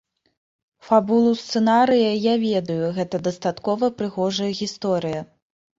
Фабулу сцэнарыя я ведаю, гэта дастаткова прыгожая гісторыя.